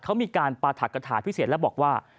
เขามีการปราธกฐาพิเศษแล้วบอกว่า